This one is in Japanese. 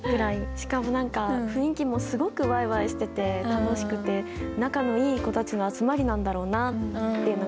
しかも何か雰囲気もすごくワイワイしてて楽しくて仲のいい子たちの集まりなんだろうなっていうのが。